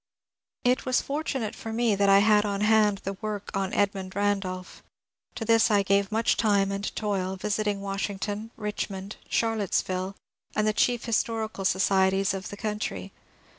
It was fortunate for me that I had on hand the work on Edmund Randolph. To this I gave much time and toil, visit ing Washington, Richmond, Charlottesville, and the chief historical societies of the country.